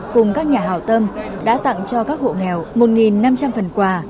cùng các nhà hào tâm đã tặng cho các hộ nghèo một năm trăm linh phần quà